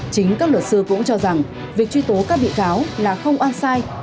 chính các luật sư cũng cho rằng việc truy tố các bị cáo là không oan sai